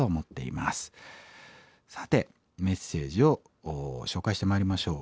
さてメッセージを紹介してまいりましょう。